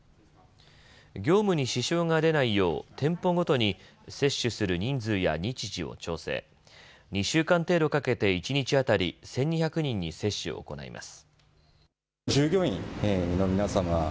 業務に支障が出ないよう店舗ごとに接種する人数や日時を調整、２週間程度かけて一日当たり１２００人に接種を行います。